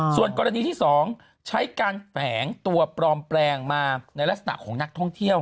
ส่วนกรณีที่๒ใช้การแฝงตัวปลอมแปลงมาในลักษณะของนักท่องเที่ยว